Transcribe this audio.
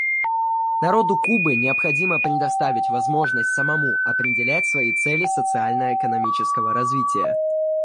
Народу Кубы необходимо предоставить возможность самому определять свои цели социально-экономического развития.